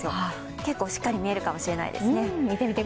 結構しっかり見えるかもしれないですね。